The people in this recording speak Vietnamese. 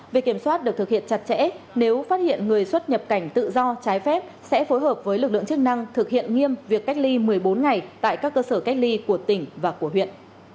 việc kiểm soát được thực hiện chặt chẽ nếu phát hiện người xuất nhập cảnh tự do trái phép sẽ phối hợp với lực lượng chức năng thực hiện nghiêm việc cách ly một mươi bốn ngày tại các cơ sở cách ly của tỉnh và của huyện